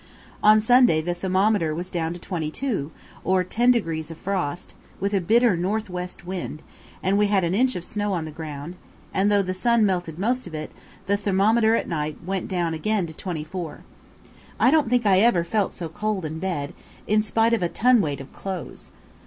On Sunday the thermometer was down to 22, or ten degrees of frost, with a bitter north west wind, and we had an inch of snow on the ground; and though the sun melted most of it, the thermometer at night went down again to 24. I don't think I ever felt so cold in bed, in spite of a ton weight of clothes.